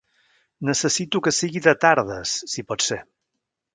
Necessito que sigui de tardes, si pot ser.